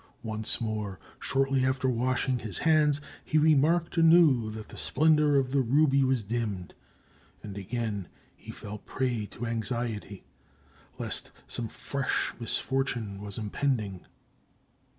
Once more, shortly after washing his hands, he remarked anew that the splendor of the ruby was dimmed, and he again fell a prey to anxiety, lest some fresh misfortune was impending.